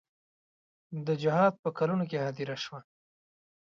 د جهاد په کلونو کې هدیره شوه.